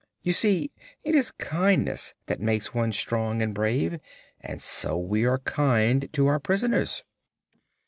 You see, it is kindness that makes one strong and brave; and so we are kind to our prisoners."